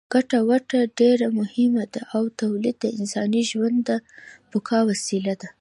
ګټه وټه ډېره مهمه ده او تولید د انساني ژوند د بقا وسیله ده.